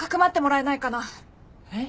えっ？